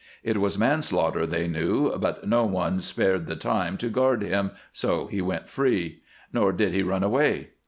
It was manslaughter, they knew, but no one spared the time to guard him, so he went free. Nor did he run away.